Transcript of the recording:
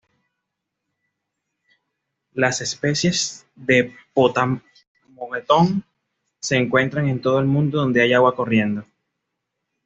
Las especies de "Potamogeton" se encuentran en todo el mundo donde haya agua corriendo.